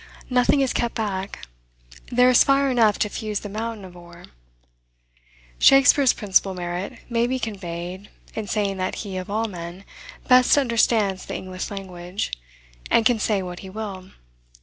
Nothing is kept back. There is fire enough to fuse the mountain of ore. Shakspeare's principal merit may be conveyed, in saying that he, of all men, best understands the English language, and can say what he will.